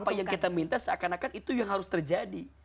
apa yang kita minta seakan akan itu yang harus terjadi